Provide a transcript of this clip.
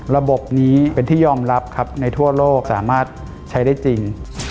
ระบบนี้เป็นที่ยอมรับครับในทั่วโลกสามารถใช้ได้จริง